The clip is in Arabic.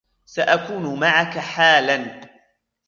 سأكون معك حالًا.